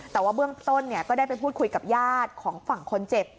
แต่ว่าเบื้องต้นก็ได้ไปพูดคุยกับญาติของฝั่งคนเจ็บ